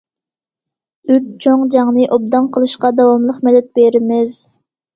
ئۈچ چوڭ جەڭنى ئوبدان قىلىشقا داۋاملىق مەدەت بېرىمىز.